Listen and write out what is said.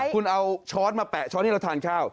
คุณเอาช้อนมาแปะช้อนให้เราทานข้าว